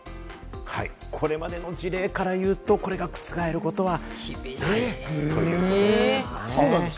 これまでの事例からいうと、これが覆ることはないということなんですね。